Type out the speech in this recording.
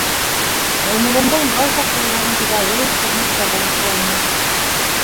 Ғүмеремдең байтаҡ йылдарын педагогик хеҙмәткә бағышланым.